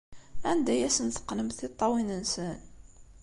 Anda ay asen-teqqnemt tiṭṭawin-nsen?